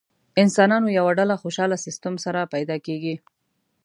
انسانانو یوه ډله خوشاله سیستم سره پیدا کېږي.